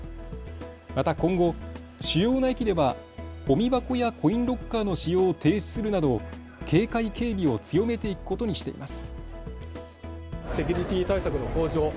また今後、主要な駅ではごみ箱やコインロッカーの使用を停止するなど警戒警備を強めていくことにしています。